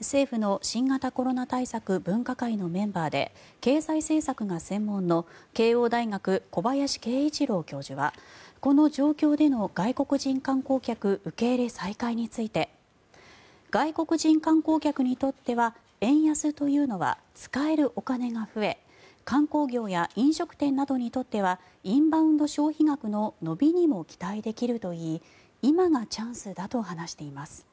政府の新型コロナ対策分科会のメンバーで経済政策が専門の慶応大学、小林慶一郎教授はこの状況での外国人観光客受け入れ再開について外国人観光客にとっては円安というのは使えるお金が増え観光業や飲食店などにとってはインバウンド消費額の伸びにも期待できるといい今がチャンスだと話しています。